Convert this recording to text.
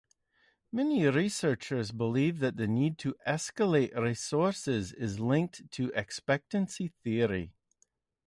Many researchers believe that the need to escalate resources is linked to expectancy theory.